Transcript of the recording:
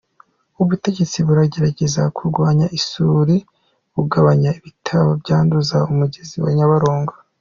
Ubutegetsi buragerageza kurwanya isuri bugabanya ibitaka byanduza umugezi wa Nyabarongo.